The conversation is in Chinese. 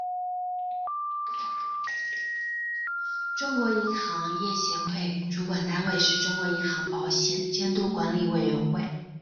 中国银行业协会主管单位是中国银行保险监督管理委员会。